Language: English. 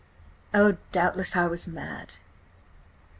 Oh, doubtless I was mad!"